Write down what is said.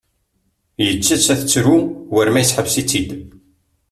Yeǧǧa-tt ad tettru war ma yesseḥbes-itt-id.